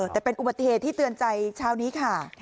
แต่เป็นอุบัติเหตุที่เตือนใจเช้านี้ค่ะ